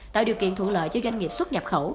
tạo điều kiện thuận lợi cho doanh nghiệp xuất nhập khẩu